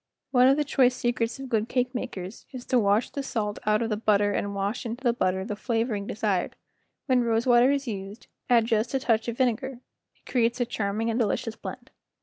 One of the choice secrets of good cake makers is to wash the salt out of the butter and wash into the butter the flavoring desired; when rose water is used add just a touch of vinegar, it creates a charming and delicious blend.